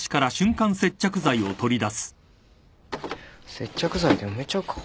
接着剤で埋めちゃうか。